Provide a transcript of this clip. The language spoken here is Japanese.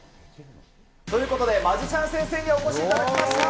ということで、マジシャン先生にお越しいただきました。